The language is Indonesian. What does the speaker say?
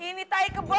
ini tai kebo